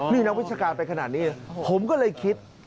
นี่นักวิชาการไปขนาดนี้ผมก็เลยคิด